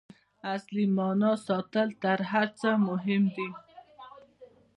د اصلي معنا ساتل تر هر څه مهم دي.